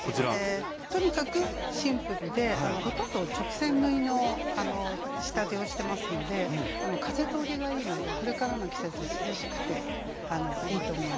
とにかくシンプルでほとんど直線縫いの仕立てをしてますので風通りがいいのでこれからの季節涼しくていいと思います。